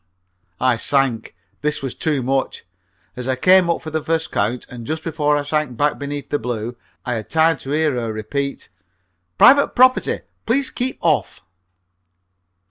I sank. This was too much. As I came up for the first count, and just before I sank back beneath the blue, I had time to hear her repeat: "Private property! Please keep off!"